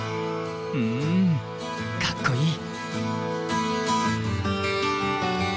うんかっこいい。